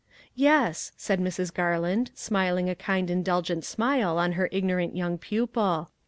" Yes," said Mrs. Garland, smiling a kind indulgent smile on her ignorant young pupil.